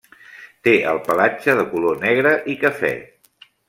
Té el pelatge de color negre i cafè.